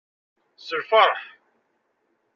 S lfeṛḥ.